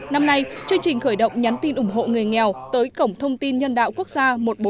năm nay chương trình khởi động nhắn tin ủng hộ người nghèo tới cổng thông tin nhân đạo quốc gia một nghìn bốn trăm bốn